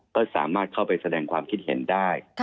ก็สามารถเข้าไปแสดงความคิดเห็นได้